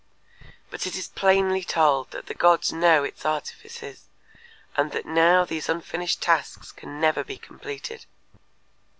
But it is plainly told that the gods know its artifices, and that now these unfinished tasks can never be completed.